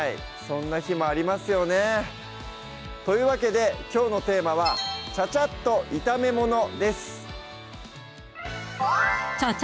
そんな日もありますよねというわけできょうのテーマは「チャチャっと炒めもの」です